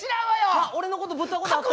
俺のことぶったことあった？